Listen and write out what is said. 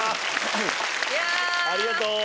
ありがとう。